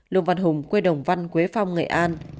lương văn hùng quê đồng văn quế phong nghệ an